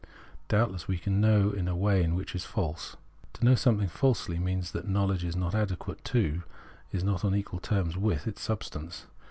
Doubtless we can know in a way that is false. To know something falsely means that know ledge is not adequate to, is not on equal terms with, its substance.